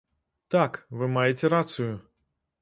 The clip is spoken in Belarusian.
Так, вы маеце рацыю.